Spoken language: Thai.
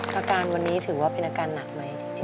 อาการวันนี้ถือว่าเป็นอาการหนักไหม